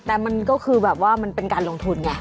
แต่มันก็คือแบบว่ามันเป็นการลงทุนไง